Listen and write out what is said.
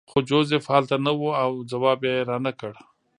خو جوزف هلته نه و او ځواب یې رانکړ